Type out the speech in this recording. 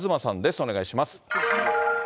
お願いします。